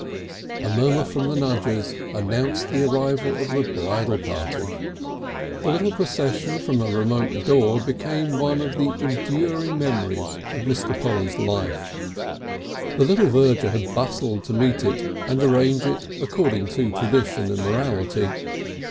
A murmur from the nudgers announced the arrival of the bridal party. The little procession from a remote door became one of the enduring memories of Mr. Polly's life. The little verger had bustled to meet it, and arrange it according to tradition and morality.